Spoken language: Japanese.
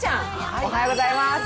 おはようございます。